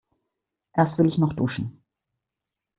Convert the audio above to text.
Erst will ich noch duschen.